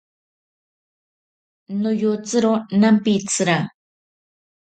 Noyotsiro nampitsira.